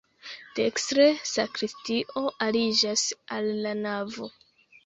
Dekstre sakristio aliĝas al la navo.